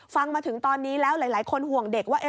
ฟังมาถึงตอนนี้แล้วหลายคนห่วงเด็กว่า